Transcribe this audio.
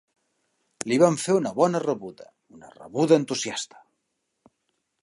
Li van fer una bona rebuda, una rebuda entusiasta.